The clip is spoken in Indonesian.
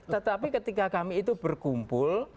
tetapi ketika kami itu berkumpul